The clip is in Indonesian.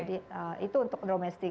jadi itu untuk domestik